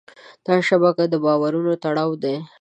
دا شبکه د باورونو تړاو دی.